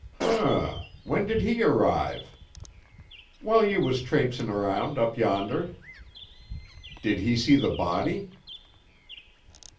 "H m! When did he arrive?" "While you was trapesin' around up yonder." "Did he see the body?"